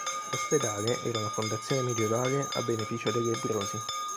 L'ospedale era una fondazione medioevale a beneficio dei lebbrosi.